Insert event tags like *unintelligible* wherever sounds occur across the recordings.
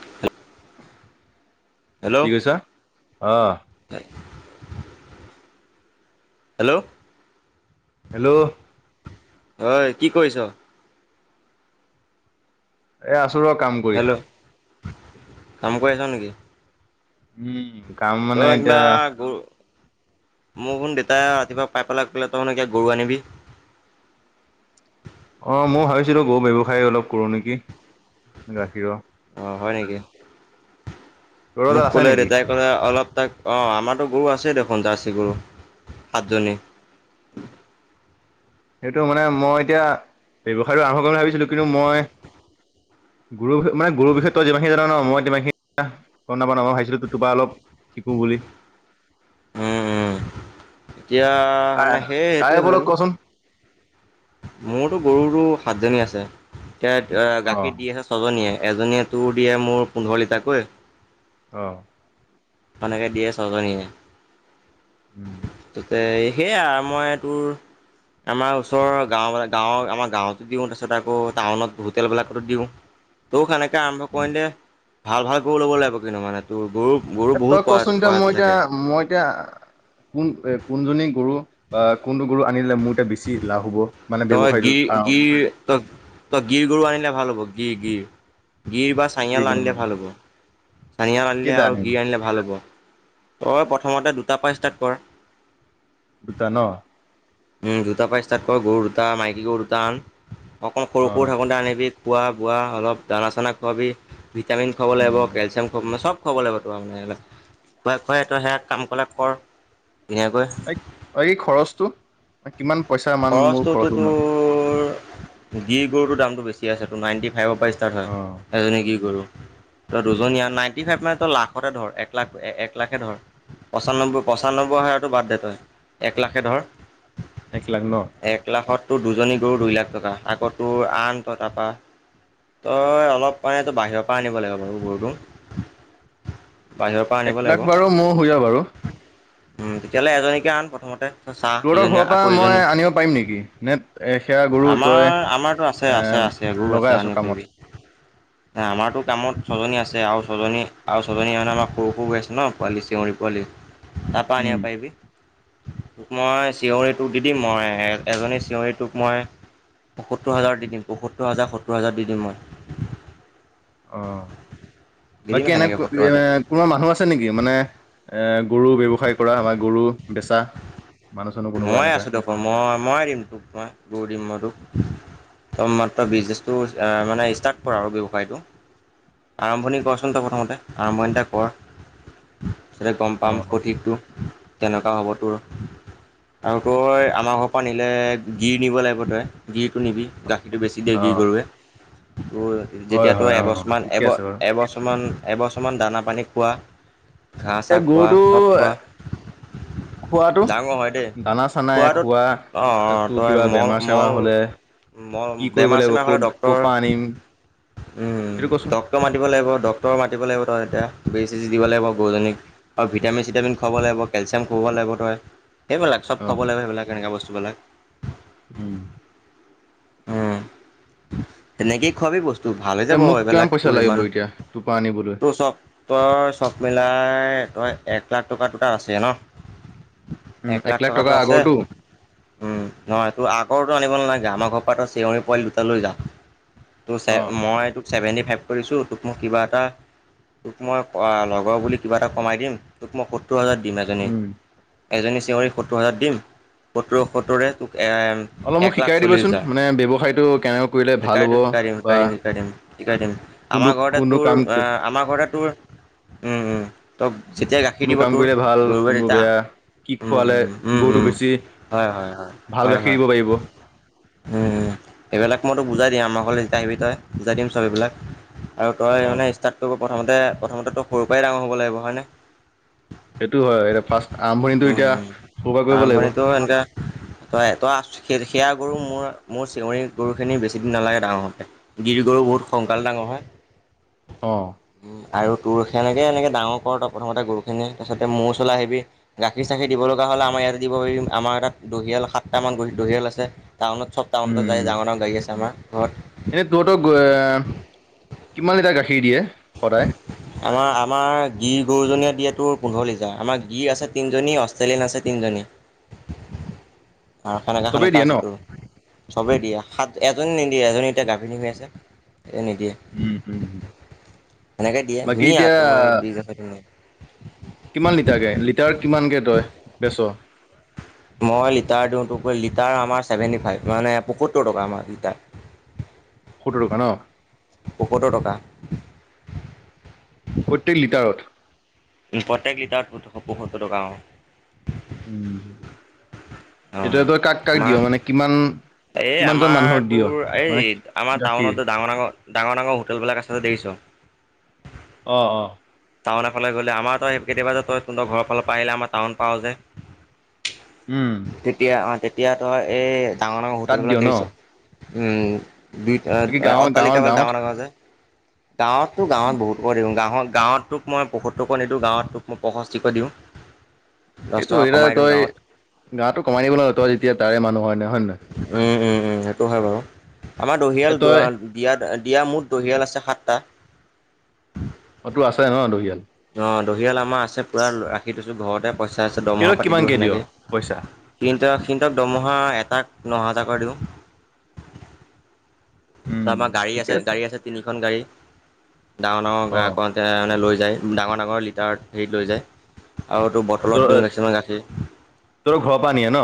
*unintelligible* কি হেল্ল' কৈছা অহ, হেল্ল' হেল্ল' হয় কি কৰিছ এ আছো ৰ কাম কৰি হেল্ল' কাম কৰি আছ নেকি উম কাম মানে তই কিবা এতিয়া গ মোৰ শুন দেউতাই ৰাতিপুৱা পাই পেলাই কলে তইোন কয়া গৰু আনিবি *unintelligible* অ মই ভাবিছিলো গৰু ব্যৱসায় অলপ কৰো নেকি গাখীৰ অ হয় নেকি তোৰ তাত মোক আছে ক'লে নেকি? ৰিটায় কৰা অলপ তাক অঁ আমাৰতো গৰু আছেই দেখোন চাৰ্চি গুৰু সাতজনী সেইটো মানে মই এতিয়া ব্যৱসায়টো আৰম্ভ কৰি ভাবিছিলো কিন্তু মই গুৰষ মানে গৰুৰষয়ে তই যমানিন জান ন মইতিমানখিনি গ নাপা ন মই ভাবিো তোপা অলপ শিকো বুলি উম, উম। এতিয়া মানে সেই তাৰে সেইটোৱে হ'ল ওপৰত কচোন মোৰতো গৰুতো সাত জনী আছে এতিয়া অ', গাখীৰ দি আছে ছজনীয়ে এজনীয়ে টোৰ দিয়ে মোৰ পোন্ধৰ লিটাৰাকৈ আহ সেনেকে দিয়ে ছজনীয়ে উম, তে সেয়া মই তোৰ আমাৰ ওচৰৰ গাঁও গাঁও আমাৰ গাঁৱতো দিওঁ তাৰপিছত আকৌ টাউনত হোটেল বিলাকতো দিওঁ তোক সেনেকে আৰম্ভ উম। কৰিম দে ভাল ভাল গৰু ল'ব লাগিব কিন্তু মানে তোৰ গৰু গৰু এ বহুত তই প্ৰজা কচোন এতিয়া প্ৰজাতি মই এতিয়া থাকে মই এতিয়া কোন এ কোনজনী গৰু বা কোনটো গৰু আনিলে মোৰ এয়া বেছি লাভ হ'ব মানে তই ব্যৱসায়টো গিৰ কাৰ গিৰ তই তই গিৰ গৰু আনিলে ভাল হ'ব গিৰ গিৰ গিৰ বা কি চঙল গ'ল আনিলে ভাল হ'ব চানিয়াৰ আনিলে কেইটা আৰু আনিম গি আনিলে ভাল হ'ব তই প্ৰথমতে দুটাৰ পৰা ষ্টাৰ্ট কৰ দুটা ন উম দুটা পাই ষ্টাৰ্ট কৰ গৰু দুটা মাইকী গৰু দুটা আন অকণমান অ সৰু সৰু থকোতে আনিবি খোৱা বোৱা অলপ দানা চানা খোৱাবি ভিটামিন খুৱাব লাগিব উম কেলচিয়াম খ চব খুৱাব লাগিব তো মানে এইবিলাক খুৱাই খুৱাই তই সেয়া কাম কলে কৰ ধুনীয়াকৈ এই এই খৰচটো কিমান পইচা মান মোৰ খৰচ হ'ব খৰচটো মানে গিৰ গৰুটোৰ দামটো বেছি আছেতো, নাইণ্টি ফাইভৰ পৰাই ইষ্টাৰ্ট অ হয়, এজনী গিৰ গৰু। ত' দুজনী আন নাইন্টি ফাইভ মানেতো লাখতে ধৰ একলাখ, একলাখে ধৰ। পঁচান্নব্বৈ, পঁচান্নব্বৈ হাজাৰটো বাদ দে তই, একলাখে ধৰ। একলাখ ন? এক লাখত তোৰ দুজনী গৰু দুই লাখ টকা, আকৌ তোৰ আন তই তাপা তই অলপ মানে তই বাহিৰৰ পৰা আনিব লাগিব বাৰু গৰুটো। বাহিৰৰ পৰা এক আনিব লাখ লাগিব। বাৰু মোৰ হৈ যাব বাৰু উম, তেতিয়াহ'লে এজনীকে আন প্ৰথমতে চা, তহঁতৰ ইজনী ঘৰৰ পৰা আকৌ মই ইজনী আনিব পাৰিম নেকি নে এ সেয়া গৰু আমাৰ, তই আমাৰতো আছে, এ আছে, আছে গৰু আছে, লগাই আছ আনিব কামত পাৰিবি। আমাৰতো কামত ছজনী আ আছে, আৰু ছজনী আৰু ছজনী মানে আমাৰ সৰু, সৰু হৈ আছে ন' পোৱালি চেউৰী পোৱালি তাপা উম আনিব পাৰিবি, তোক মই চিউৰিটো দি দিম মই এজনী চিঞৰি তোক মই পসোত্তৰ হাজাৰ দি দিম, পসোত্তৰ হাজাৰ, সত্তৰ হাজাৰ দি দিম মই। অ'। দি দিম বাকী সেনেকৈ সত্তৰ এনে-এ হাজাৰ কোনোবা মানুহ আছে নেকি? মানে এ, গৰু ব্যৱসায় কৰা, আমাৰ গৰু বেচা? মানুহ চানুহ কোনোবা ময়ে এনেকা আছোঁ দেখোন, মই, মই দিম তোক মই। গৰু দিম মই তোক। তই মাত্ৰ বিজনেচটো আ, মানে ইষ্টাৰ্ট কৰ আৰু ব্যৱসায়টো। আৰম্ভণি কৰচোন তই প্ৰথমতে, আৰম্ভণিটা কৰ। *unintelligible* গম অ পাম সঠিকটো, কেনেকুৱা হ'ব তোৰ। আৰু তই আমাৰ ঘৰৰ পৰা নিলে গিৰ নিব লাগিব তই, গিৰ টো নিবি গাখীৰটো বেছি দিয়ে অ গীৰ গৰুৱে। হয় যেতিয়া তোৰ হয় অ এবছৰমান ঠিকে আছে বাৰু এবছৰমান এবছৰমান দানা পানী খোৱা ঘাঁহ চাহ খোৱা চব খোৱা *inaudible* খোৱাতটো? ডাঙৰ হয় দেই দানা চানাই খোৱাটোত খোৱা অঁ অঁ তোৰ তই কিবা মল বেমাৰ মল চেমাৰ হ'লে মল কি কৰিব বেমাৰ লাগিব চেমাৰ হ'লে ঔষধ ডক্তৰ ক'ৰ পৰা আনিম উম, সেইটো কচোন ডক্টৰ মাতিব লাগিব ডক্টৰ মাতিব লাগিব তই এতিয়া ব দিব লাগিব গৰুজনীক আৰু ভিটামিন চিটামিন খুৱাব লাগিব কেলচিয়াম খুৱাব লাগিব তই। সেইবিলাক অ চব খোৱাব লাগিব সেইবিলাক এনেকুৱা বস্তুবিলাক। উম উম, তেনেকেই খোৱাবি বস্তু ভাল হৈ এ যাব মোক কিমান এইবিলাক পইচা তোৰ লাগিব ইমান এতিয়া তোৰ পৰা আনিবলৈ তোৰ চব তই চব মিলাই। তই এক লাখ টকা দুটা আছে ন উম এক লাখ টকাৰটো টকাৰ আছে আগৰটো উম, নহয় তোৰ আগৰো আনিব নালাগ গে আমাৰ ঘৰত পৰা তই চেউৰী পোৱালি দুটা লৈ যা তো চে অ মই তোক চেভেনটি ফাইভ ধৰিছো তোক মোক কিবা এটা তোক মই অ, লগৰ বুলি কিবা এটা কমাই দিম তোক মই সত্তৰ হাজাৰ দিম এজনী - এজনী চিউৰিক সত্তৰ হাজাৰ দিম সত্তোৰ- সত্তোৰে তোক অলপ মোক এক লাখ শিকাই চল্লিছ দিবাচোন হাজাৰ। মানে ব্যৱসায়টো কেনেকৈ কৰিলে ভাল শিকাই হ'ব দিম শিকাই দিম বা শিকাই দিম শিকাই দিম শিকাই দিম কোনো আমাৰ ঘৰতে কোনো তোৰ কাম আমাৰ ঘৰতে তোৰ উম, উম, *unintelligible* ত' যেতিয়া গাখীৰ কোনো দিব কাম তোৰ কৰিলে ভাল গৰুৱে কোনো তেতিয়া বেয়া। কি উম, খোৱালে উম, উম, গৰুটো উম, বেছি হয়, হয়, হয়, ভাল হয়, গাখীৰ হয়, দিব পাৰিব। সেইবিলাক মইতোক বুজাই দিম আমাৰ ঘৰলে যেতিয়া আহিবি তই বুজাই দিম চব এইবিলাক। আৰু তই অ মানে স্টাৰ্ট টো প্ৰথমমতে - প্ৰথমতে তই সৰুৰ পৰাই ডাঙৰ হ'ব লাগিব হয় নে। সেইটো হয় এয়া ফাৰ্ষ্ট আৰম্ভণিটো উম, এতিয়া উম, ক'ৰ পৰা কৰিব লাগিব। আৰম্ভণিতো এনেকে তই তই আহ সেয়া গৰু মোৰ মোৰ চেউৰি গৰুখিনি বেছিদিন নালাগে ডাঙৰ হতে গিৰি গৰু বহুত সোনকালে ডাঙৰ হয়। অ', আৰু তোৰ সেনেকে এনেকে ডাঙৰ কৰোতে প্ৰথমতে গৰুখিনি তাৰপছতে মো ওচৰলে আহিবি গাখীৰ চাখীৰ দিব লগা। আমাৰ ইয়াত দিব পাৰিম আমাৰ তাত দহিয়াল সাত টা মান দহিয়াল আছে টাউনত টাউনত উম যায় উম ডাঙৰ ডাঙৰ গাড়ী আছে আমাৰ ঘৰত এনে তহতক এ কিমান লিটাৰ গাখীৰ দিয়ে সদায়? আমাৰ আমাৰ গিৰ গৰুজনীয়ে দিয়ে তোৰ পোন্ধৰ লিটাৰ আমাৰ গিৰ আছে তিনিজনী অষ্ট্ৰেলিয়ান আছে তিনিজনী *inaudible* আৰু সেনেকা - চবেই সেনেকা দিয়ে ন আছে তোৰ। চবেই দিয়ে সাত এজনী নিদিয়ে এজনী এতিয়া গাভিনি হৈ আছে। এ নিদিয়ে উম - উম। সেনেকে দিয়ে বাকী ধুনীয়া এতিয়া তৰ বীজ আছে কিমান লিটাৰকে লিটাৰ কিমানকে তই বেছ? মই লিটাৰ দিওঁ তোক লিটাৰ আমাৰ চেভেনটি ফাইভ মানে পয়সত্তৰ টকা আমাৰ লিটাৰ *inaudible* টকা ন পসত্তৰ টকা। প্ৰত্যেক লিটাৰত উম, প্ৰত্যেক লিটাৰত পয়সত্তৰ টকা অ, অ এতিয়া তই কাক - কাক দিয় আমাৰ মানে কিমান? এই কিমানজন আমাৰ মানুহক দিয় তোৰ এই মানে আমাৰ গাখীৰ টাউনত ডাঙৰ ডাঙৰ ডাঙৰ ডাঙৰ হোটেল বিলাক আছে যে দেখিছ অ অ টাউনৰ ফালে গ'লে আমাৰ তই কেতিয়াবা যে তই ঘৰৰ ফালৰ পৰা আহিলে আমাৰ টাউন পাও যে উম তেতিয়া অ তেতিয়া তই এই ডাঙৰ ডাঙৰ তাত হোটেল বিলাক দিয় ন দেখিছ উম, দুই এ- বাকী এ গাঁৱৰ গাঁৱৰ অট্টালিকা বিলাক গাঁৱত ডাঙৰ - ডাঙৰ যে। গাঁৱতো গাঁৱত বহুতক দিওঁ গাঁৱত গাঁৱত তোক মই পয়সত্তৰকৈ নিদিওঁ গাঁৱত তোক মই পঁষষ্ঠিকৈ দিওঁ দহ এইটো টকা হয় কমাই দিওঁ তই গাঁৱত গাৱতটো কমাই দিব লাগিব তই যেতিয়া তাৰে মানুহ হয় হয় নয় উম উম সেইটো হয় বাৰু আমাৰ এ দহিয়াল তই দয়াত দিয়াত ইয়াৰ মুঠ দহিয়াল আছে সাতটা। অতো আছে ন দহিয়াল। অ' দহিয়াল আমাৰ আছে পূৰা ৰাখি থৈছোঁ ঘৰতে পইচা আছে দৰমহা সিহঁতক পাতি দিওঁ কিমানকে দিয় সেনেকৈ পইচা তিনটা তিনিওটাক দৰমহা এটাক ন হাজাৰকৈ দিওঁ উম তাপা, আমাৰ গাড়ী ঠিকে আছে, গাড়ী আছে তিনিখন গাড়ী। ডাঙৰ-ডাঙৰ অ গ্ৰক *unintelligible* মানে লৈ যায় ডাঙৰ ডাঙৰ লিটাৰত হেৰিত লৈ যায়। আৰু টো ত বটলত দিওঁ তহঁতৰ কিছুমান গাখীৰ ঘৰৰ পৰা নিয়ে ন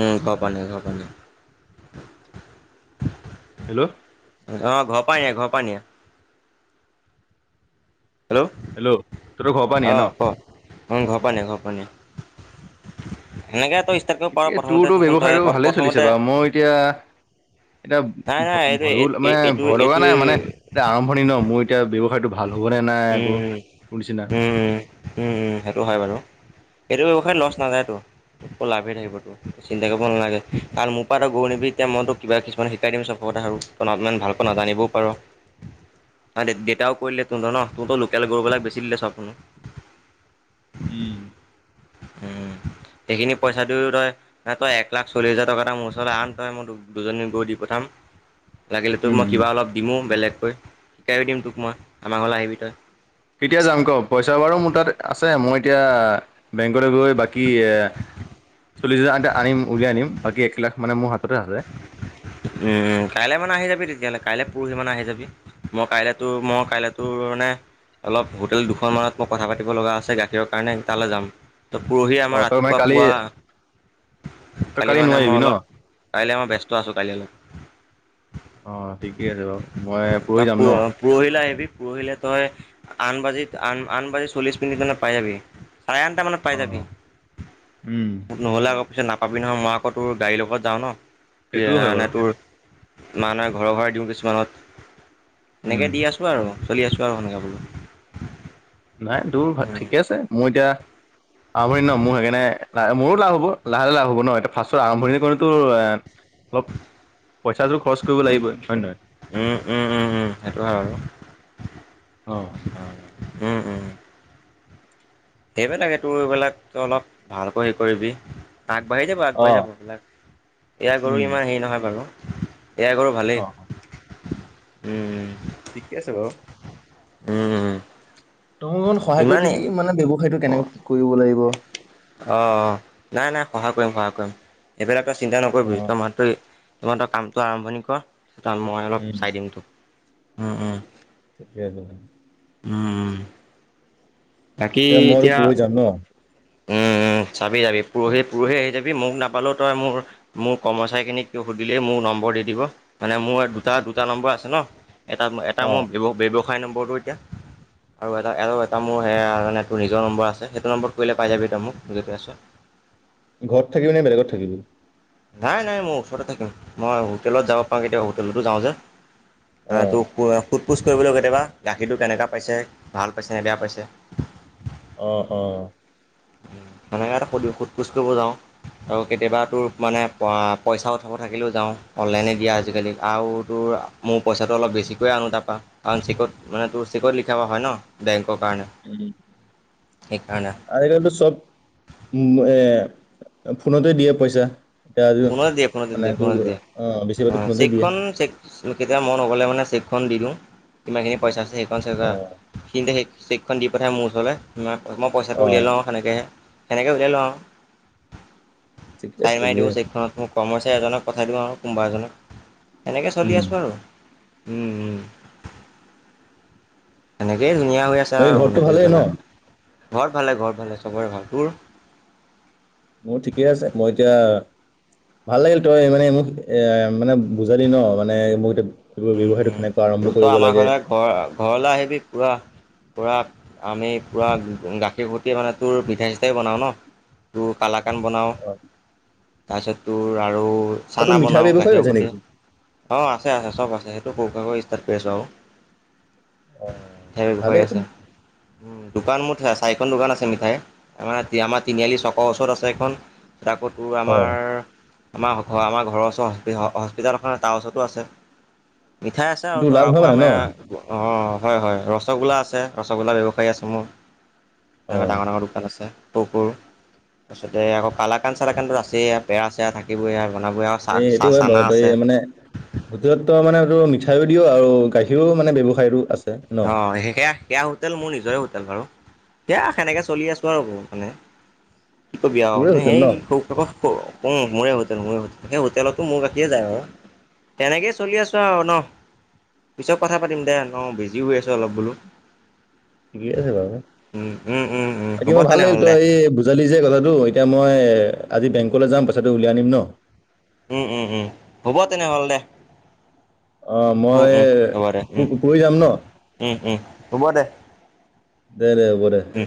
উম ঘ পা আনি ঘৰ পা আনি হেল্ল' অ, ঘৰ পা নিয়ে ঘৰ পা নিয়ে। হেল্ল' তহঁতৰ ঘৰৰ পৰা নিয়ে অ, ন ক। উম, ঘৰ পানী ঘৰ পানী, সেনেকে তই ষ্টাৰ্ট কৰিব পাৰ এ প্ৰথমতে তোৰতো চাচোন তই ব্যৱসায়টো ভালে চলিছে প্ৰথমতে বাৰু, মই এতিয়া এতিয়া, নাই নাই এইটো ভয়-ভয়ো মানে এইটো ভয় লগা এইটো নাই মানে, এতিয়া আৰম্ভণি ন' মোৰ এতিয়া ব্যৱসায়টো ভাল হ'বনে নাই আকৌ উম তোৰ নিচিনা উম, উম, উম, সেইটো হয় বাৰু। এইটো ব্যৱসায় লছ নাযায়তো। লাভে থাকিব তোৰ চিন্তা কৰিব নালাগে কাৰণ মোৰ পাৰা তই *unintelligible* নিবি এতিয়া মই তোক কিবা কিছুমান শিকাই দিম সব *unintelligible* ইমান ভালকৈ নাজানিবও পাৰোঁ। *inaudible* আমাৰ দেউেতাও কৰিলে ত' ধৰ ন' তোৰতো লোকেল গৰুবিলাক বেচি দিলে *unintelligible* উম, উম, সেইখিনি পইচা দিও তই, না তই এক লাখ চল্লি হাজাৰ টকা এটা মোৰ ওচৰৰত আন তই মই দুজনী গৈ দি পঠাম। *unintelligible* লাগিলে তোক উম মই কিবা অলপ দিমো বেলেগকৈ, শিকাই ৰাখিম তোক মই আমাৰ ঘৰলে আহিবি তই। কেতিয়া যাম ক পইচা বাৰু মোৰ তাত আছে মই এতিয়া, বেংকলে গৈ, বাকী এ চল্লিশ হাজাৰ আনিম উলিয়াই আনিম বাকী এক লাখ মানে মোৰ হাততে আছে। উম, কাইলে মানে আহি যাবি তেতিয়া'হলে কাইলে পৰহি মানে আহি যাবি, মই কাইলে তোৰ মই কাইলে তোৰ মানে অলপ হোটেল দুখন মানত মই কথা পাতিব লগা আছে গাখীৰৰ কাৰণে তালৈ যাম। ত' পৰহি আমাৰ অ তই মানে ৰাতিপুৱা কালি পুৱা তই কালি মানে মই নোৱাৰিবি ন অলপ কাইলৈ মই ব্যস্ত আছো কাইলে অলপ অ, ঠিকে আছে বাৰু মই পৰহি যাম ন। পৰহিলে তই আন বাজি আন আঠ বাজি চল্লিশ মিনিট মান পাই যাবি। চাৰে আঠটামানত পাই অ যাবি, উম নহ'লে আকৌ পিছত নাপা কবি নহয় মই আকৌ তোৰ গাড়ীৰ লগত যাওঁ ন সেইটোও হয় এনে বাৰু তোৰ নাই নাই ঘৰ ঘৰে দিওঁ কিছুমানত এনেকে উম। দি আছো আৰু। চলি আছোঁ আৰু সেনেকা বোলো। নাই তোৰ ঠিকে আছে মই এতিয়া আৰম্ভণি ন মোৰ সেইকাৰণে লাহ মোৰো লাভ হ'ব লাহে লাহে লাভ হ'ব ন এতিয়া ফাৰ্ষ্টৰ আৰম্ভণি কৰিতো অলপ পইচাটোৰ খৰচ কৰিব লাগিবই হয় নে নহয়। উম, উম, উম, উম, সেইটো হয় আৰু। অ'। উম, উম, সেইবিলাকে তোৰ এইবিলাক তই অলপ ভালকৈ হে কৰিবি। আগবাঢ়ি যাব আগবাঢ়ি অ', যাব এইবিলাক ইয়াৰ গৰু উম ইমান হেৰি নহয় বাৰু। এয়া গৰু ভালেই। অ', ঠিকে আছে বাৰু। উম উম। তই অলমান সহায় কৰি ইমানেই দিবি মানে ব্যৱসায়টো কেনেকে কি কৰিব লাগিব। অ, অ, নাই নাই সহায় কৰিম সহায় কৰিম এইবিলাক তই চিন্তা নকৰিবি অ', তই মাত্ৰ তই কামটো আৰম্ভণি কৰ মই অলপ উম চাই দিম তোক। উম, উম। *unintelligible* উম উম বাকী এ মই এতিয়া পৰহি যাম ন। উম *inaudible* চাবি যাবি পুৰহি - পুৰহি আহি যাবি মোক নাপালোও তই মোৰ মোৰ কৰ্মচাৰীখিনিক সুধিলে মোৰ নম - কৰি দিব মোৰ দুটা-দুটা নম্বৰ আছে ন এটা মোৰ অ', ব্য- ব্যৱসায়, ফাই নম্বৰটো এতিয়া আৰু এটা আৰু এটা মোৰ হেয়া মানে টো নিজৰ নম্বৰ আছে সেইটো নম্ব কৰিলে পাই যাবি মোক তই মোক জটেই আছ। ঘৰত থাকিবি নে বেলেগত থাকিবি? নাই-নাই ময়ো ওচৰতে থাকিম মই হোটেলত যাব পাৰো কেতিয়া হোটেলতো যাওঁ যে অ', হাটো খোৱা, সোত-পোছ কৰিবলৈ কেতিয়াবা গাখীৰটো কেনেকুৱা পাইছে ভাল পাইছেনে বেয়া পাইছে। অ-অ হেনেকা এটা শোদ পোছ কৰিব যাওঁ আৰু কেতিয়াবা তোৰ মানে পা পইচা উঠাব থাকিলেও যাওঁ অনলাইনে দিয়া আজিকালি আৰুতো মোৰ পইচাটো অলপ বেচিকৈ আনো তাৰ পৰা, কাৰন চেকত মানে তোৰ চেকত লিখা পঢ়া হয় ন, বেংক উম, উম সেইকাৰণে আজিকালিতো চব উম এ ফোনতেই দিয়ে পইচা। এতিয়া আজি ফোনত দিয়ে ফোনতে মানে দিয়ে টো ফোনত দিয়ে অ' বেচিভাগতো অঁ ফোনতে দিয়ে। চেকখন চেক কেতিয়াবা মই নগ'লে মানে চেকখন দি দিওঁ, কিমানখিনি পইচা আছে সেইখন চেক অ' সিহি'তে সেই চেকখন দি পঠাই মোৰ ওচৰলে, ম মই পইচাটো উলিয়াই অ' লওঁ হেনেকে হেনেকে উলিয়াই লওঁ আৰু। ঠিকে আছে, চাইন মাৰি দিওঁ ধুনীয়া। চেকখনত মোৰ কৰ্মচাৰী এজনক পঠাই দিওঁ আৰু কোনোবা এজনক হেনেকৈ চলি উম আছোঁ আৰু। উম উম হেনেকেই ধুনীয়া। বাকী ঘৰতটো *unintelligible* ভালেই ন পিছবেলা। ঘত ভালে ঘত ভালে ছবয়ে ভাল। মোৰ ঠিকে আছে মই এতিয়া - ভাল লাগিল তই মানে মোক এ মানে বুজলি ন মানে মোক *inaudible* ব্যৱসায়টো উ- কেনেকুৱা আৰম্ভ উ তই কৰিব আমাৰ লাগে ঘৰলৈ ঘৰ ঘৰলৈ আহিবি পুৰা। পুৰা আমি পুৰা গাখীৰ ঘূটি মানে তোৰ পিঠা ই নিচিই বনাওঁ ন - তোৰ কালাকান বনাও, তাৰছত তোৰ আৰু অ' তোৰ চানা মিঠাই বনাও ব্যৱসায় গাখীৰ হৈছে সতি, নেকি অ' আছে আছে চব আছে। ডাইয়েৰিটো সৰু সুৰাকৈ ষ্টাৰ্ট কৰি আছোঁ আৰু অ' সেই ব্যৱসায়ী ভালেই আছে। উ দোকান মুঠে চাৰিখন দোকান আছে মিঠাই আমা আমা তিনিআলি চকৰ ওচৰত আছে এখন। তাকো তোৰ আমাৰ অ' - আমাৰ ঘৰ আমাৰ ঘৰৰ ওচৰৰ হস্পিটাল এখনত তাৰ ওচৰটো আছে। মিঠাই আছে আৰু তোৰ তৰা লাভ *unintelligible* হয় অ, মানে ন অ, হয় - হয়। ৰসগোল্লা আছে ৰসগোল্লাৰ ব্যৱসায়ী আছে মোৰ আৰু অ' ডাঙৰ ডাঙৰ দোকান আছে। কুকুৰ পাছতে আকৌ কালাকান চালাকান বোৰ আছেই বেয়া চেয়া থাকিবই আৰু। বনাবই আৰু চাহ হেই সেইটো চাহ হয় বাও চানা তই আছে। মানে *unintelligible* মানে মিঠ দিওঁ আৰু গাখীৰো মানে ব্যৱসায়ো আছ অ *unintelligible* *unintelligible* সেয়া হোটেল মোৰ নিজৰে হোটেল বাৰু সেয়া সেনেক চলি আছোঁ আৰু মানে - কি কবি আও *unintelligible* তোৰে হোটেল ন *unintelligible* মোৱে হোটেল মোৱে হোটেল, হে হোটেলতো মোৰে গাখীয়েে যায় বাৰ। তেনেকেই চলি আছো আৰু ন। পিছত কথা পাতিম দে অ বিজ। দি হৈ আছো অলপ বোলো। ঠিকে আছে বাৰু। উম উম উম উম বাকী হ'ব মই ভাল লাগিল তেনেহ'লে দে তই বুজালি যে কথাটো, এতিয়া মই আজি বেংকলৈ যাম পইচাটো উলিয়াই আনিম ন? উম, উম, উম, হ'ব তেনেহ'লে। অ মই উ-উম, হ'ব দে উম, প- পৰহি যাম ন উম, উম, হ'ব দে। দে, দে হ'ব দে। উম